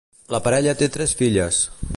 La parella té tres filles.